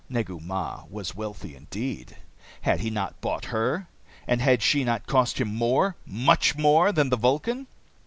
Negu Mah was wealthy indeed. Had he not bought her, and had she not cost him more, much more, than the Vulcan?